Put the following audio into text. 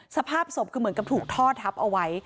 สภาพศพคือเหมือนกับถูกท่อทับเอาไว้